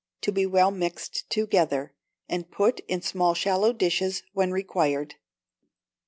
To be well mixed together, and put in small shallow dishes when required.